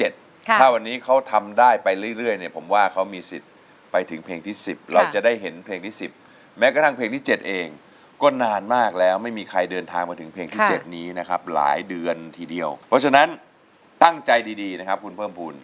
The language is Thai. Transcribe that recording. ถ้าวันนี้เขาทำได้ไปเรื่อยเนี่ยผมว่าเขามีสิทธิ์ไปถึงเพลงที่๑๐เราจะได้เห็นเพลงที่๑๐แม้กระทั่งเพลงที่๗เองก็นานมากแล้วไม่มีใครเดินทางมาถึงเพลงที่๗นี้นะครับหลายเดือนทีเดียวเพราะฉะนั้นตั้งใจดีนะครับคุณเพิ่มภูมิ